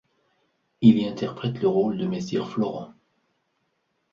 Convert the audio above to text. Il y interprète le rôle de Messire Florent.